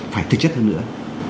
phải thực chất hơn nữa